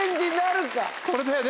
これだよね